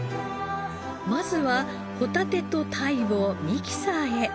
まずはホタテと鯛をミキサーへ。